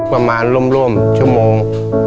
ประมาณร่วมชั่วโมง